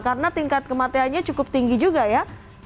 karena tingkat kematiannya cukup tinggi juga ya